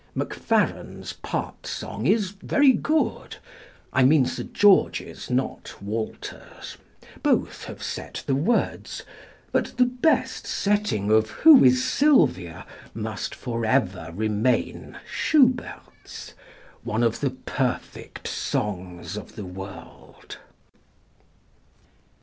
+Macfarren's+ part song is very good I mean Sir George's, not Walter's. Both have set the words. But the best setting of "Who is Sylvia?" must for ever remain +Schubert's+ one of the perfect songs of the world.